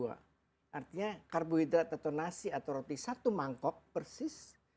artinya karbohidrat atau nasi atau roti satu mangkok persis